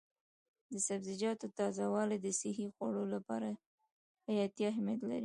د سبزیجاتو تازه والي د صحي خوړو لپاره حیاتي اهمیت لري.